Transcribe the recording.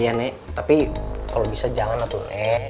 iya nek tapi kalau bisa janganlah tuh nek